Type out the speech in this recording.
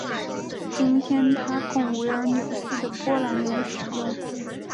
今天它供维尔纽斯的波兰人使用。